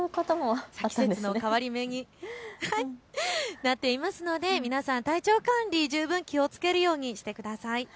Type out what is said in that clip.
季節の変わり目になっていますので皆さん、体調管理、十分気をつけるようにしてください。